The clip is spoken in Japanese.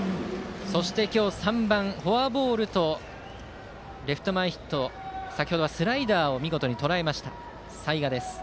そして今日３番でフォアボールとレフト前ヒットを先程はスライダーを見事にとらえた齊賀。